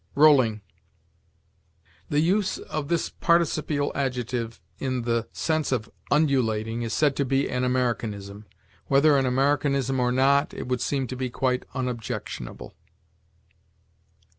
ROLLING. The use of this participial adjective in the sense of undulating is said to be an Americanism. Whether an Americanism or not, it would seem to be quite unobjectionable.